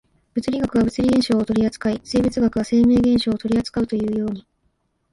物理学は物理現象を取扱い、生物学は生命現象を取扱うというように、